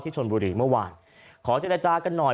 ที่ชนบุรีเมื่อวานขอเจ้าหน้าจากกันหน่อย